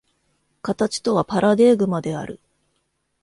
形とはパラデーグマである。